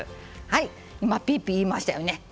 ピーピーいいましたよね。